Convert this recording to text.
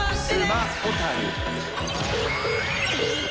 「スマホタル！」うっ！